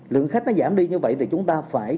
lượng khách nó giảm đi như vậy thì chúng ta phải